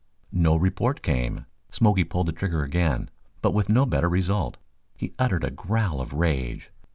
No report came. Smoky pulled the trigger again, but with no better result. He uttered a growl of rage.